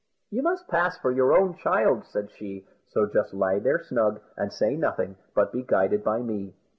"You must pass for your own child," said she; "so just lie there snug, and say nothing, but be guided by me."